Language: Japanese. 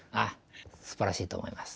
すばらしいと思います。